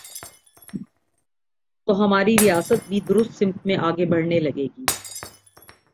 تو ہماری ریاست بھی درست سمت میں آگے بڑھنے لگے گی۔